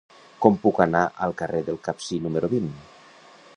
Com puc anar al carrer del Capcir número vint?